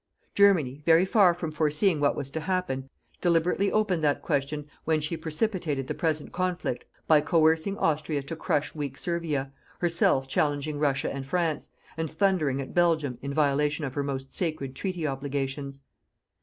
Germany, very far from foreseeing what was to happen, deliberately opened that question when she precipitated the present conflict by coercing Austria to crush weak Servia, herself challenging Russia and France, and thundering at Belgium in violation of her most sacred treaty obligations.